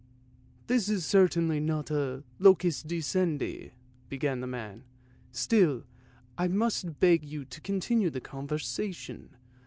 " This is certainly not a locus docendi," began the man; " still I must beg you to continue the conversation.